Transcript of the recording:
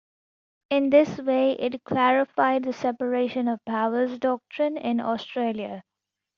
In this way, it clarified the separation of powers doctrine in Australia.